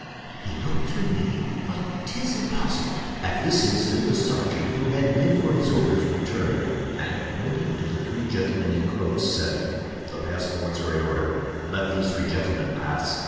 "He looked to me—but 'tis impossible." At this instant the sergeant, who had been for his orders, returned, and pointing to the three gentlemen in cloaks, said: "The passports are in order; let these three gentlemen pass."